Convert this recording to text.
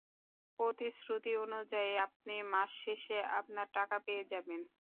প্রতিশ্রুতি অনুযায়ী, আপনি মাস শেষে আপনার টাকা পেয়ে যাবেন।